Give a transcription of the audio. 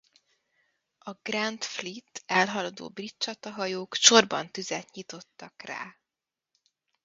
A Grand Fleet elhaladó brit csatahajók sorban tüzet nyitottak rá.